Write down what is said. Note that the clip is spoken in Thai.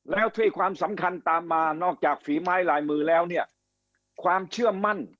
แล้วที่ความสำคัญตามมา